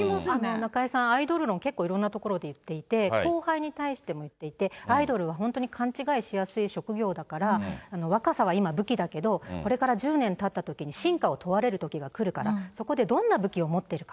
中居さん、アイドル論、結構いろんな所で言っていて、後輩に対しても言っていて、アイドルは本当に勘違いしやすい職業だから、若さは今、武器だけど、これから１０年たったときに真価を問われるときが来るから、そこでどんな武器を持ってるか。